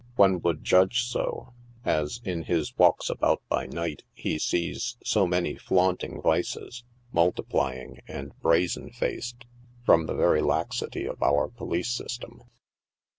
One would judge so, as in his walks about by night he sees so many flaunting vices, multiply ing and brazen faced, from the very laxity of our police system.